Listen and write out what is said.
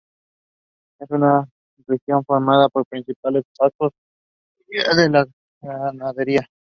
Es una región formada por planicies de pastos, ideal para la ganadería.